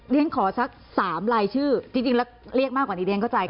แล้วขอสามรายชื่อจริงแล้วเรียกมากกว่านี้ฐานเข้าใจ